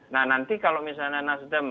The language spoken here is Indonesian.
nah nanti kalau misalnya nasdem